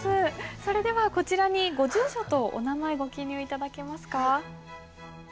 それではこちらにご住所とお名前ご記入頂けますか？